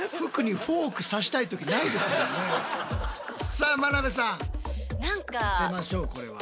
さあ眞鍋さん当てましょうこれは。